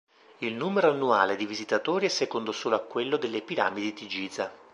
Il numero annuale di visitatori è secondo solo a quello della piramidi di Giza.